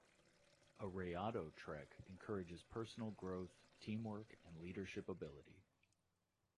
A Rayado Trek encourages personal growth, teamwork, and leadership ability.